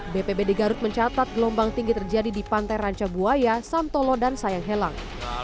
bpbd garut mencatat gelombang tinggi terjadi di pantai ranca buaya santolo dan sayang helang